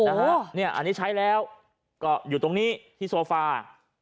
อันนี้ใช้แล้วก็อยู่ตรงนี้ที่โซฟา